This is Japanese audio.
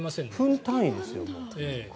分単位ですよ。